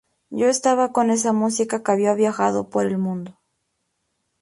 Yo estaba con esa música que había viajado por el mundo.